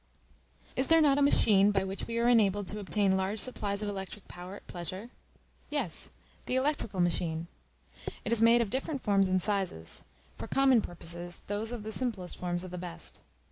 Is there not a machine by which we are enabled to obtain large supplies of electric power at pleasure? Yes; the electrical machine. It is made of different forms and sizes: for common purposes those of the simplest form are the best.